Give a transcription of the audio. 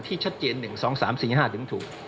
ชัดเจน๑๒๓๔๕ถึงถูก